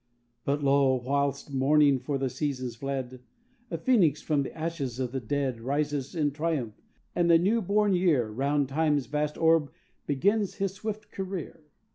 But lo! whilst mourning for the seasons fled, A phÅnix from the ashes of the dead Rises in triumph, and the new born year Round Timeâs vast orb begins his swift career.